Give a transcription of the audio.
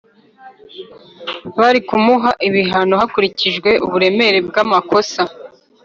Barikumuha ibihano hakurikijwe uburemere bwamakosa